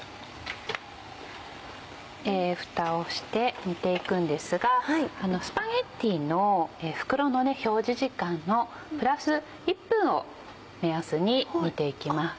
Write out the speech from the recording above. ふたをして煮ていくんですがスパゲティの袋の表示時間のプラス１分を目安に煮ていきます。